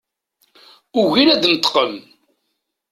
Ugin ad d-neṭqen.